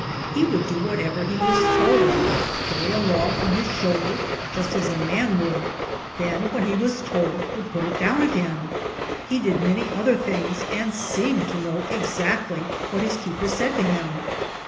He would do whatever he was told — carry a log on his shoulder, just as a man would; then, when he was told, would put it down again. He did many other things, and seemed to know exactly what his keeper said to him.